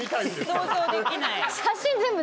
想像できない。